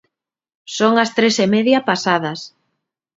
Son as tres e media pasadas.